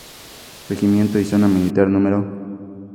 Regimiento y Zona Militar No.